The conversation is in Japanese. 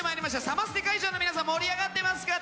サマステ会場の皆さん盛り上がってますか？